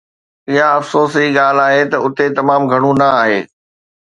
اها افسوس جي ڳالهه آهي ته اتي تمام گهڻو نه آهي